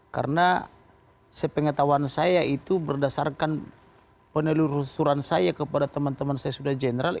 karena sepengetahuan saya itu berdasarkan penelusuran saya kepada teman teman saya sudah jenderal